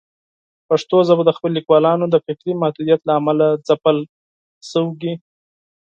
پښتو ژبه د خپلو لیکوالانو د فکري محدودیت له امله ځپل شوې.